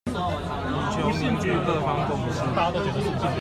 以求凝聚各方共識